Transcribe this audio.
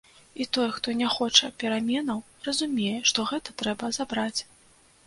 І той, хто не хоча пераменаў, разумее, што гэта трэба забраць.